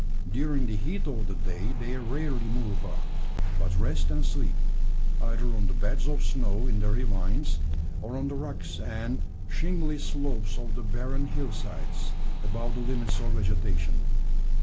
During the heat of the day they rarely move about, but rest and sleep either on the beds of snow in the ravines, or on the rocks and shingly slopes of the barren hill sides, above the limits of vegetation.